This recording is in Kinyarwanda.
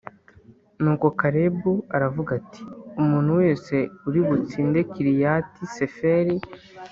nuko kalebu+ aravuga ati “umuntu wese uri butsinde kiriyati-seferi